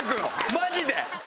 マジで！